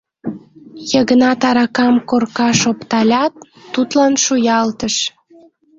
Йыгнат аракам коркаш опталят, Тудлан шуялтыш.